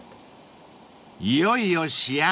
［いよいよ仕上げ］